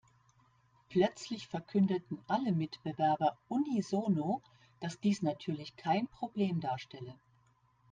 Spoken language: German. Plötzlich verkündeten alle Mitbewerber unisono, dass dies natürlich kein Problem darstelle.